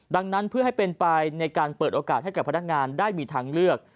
ดังนั้นเพื่อให้เป็นไปในการเปิดโอกาสให้กับพนักงานได้มีทางเลือก